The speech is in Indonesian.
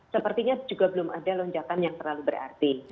sepertinya juga belum ada lonjakan yang terlalu berarti